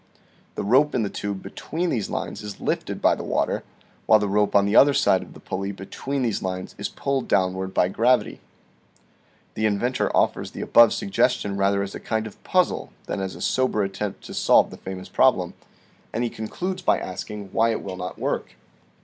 The rope in Fig. 14. the tube between these lines is lifted by the water, while the rope on the other side of the pulley between these lines is pulled downward by gravity. The inventor offers the above suggestion rather as a kind of puzzle than as a sober attempt to solve the famous problem, and he concludes by asking why it will not work